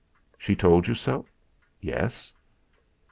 "She told you so?" "Yes."